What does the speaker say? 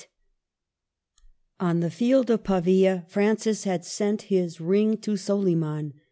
On the field of Pavia, Francis had sent his ring to SoHman.